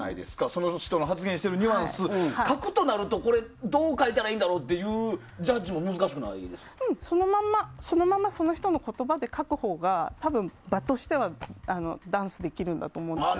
その人の発言しているニュアンスを書くとなるとどう書いたらいいんだというそのままその人の言葉で書くほうが多分、場としてはダンスできるんだと思うんです。